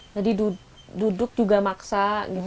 jadi duduk juga maksa